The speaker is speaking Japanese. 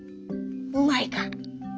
「うまいか？